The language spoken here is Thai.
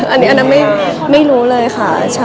อันนี้อันนั้นไม่รู้เลยค่ะ